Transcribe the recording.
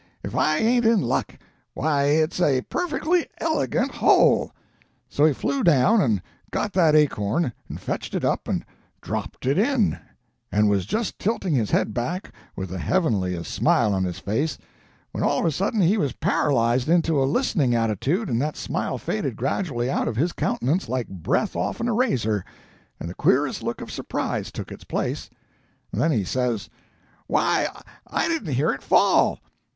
If I ain't in luck! Why it's a perfectly elegant hole!' So he flew down and got that acorn, and fetched it up and dropped it in, and was just tilting his head back, with the heavenliest smile on his face, when all of a sudden he was paralyzed into a listening attitude and that smile faded gradually out of his countenance like breath off'n a razor, and the queerest look of surprise took its place. Then he says, 'Why, I didn't hear it fall!'